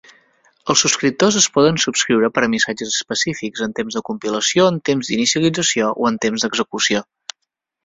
Els subscriptors es poden subscriure per a missatges específics en temps de compilació, en temps d'inicialització o en temps d'execució.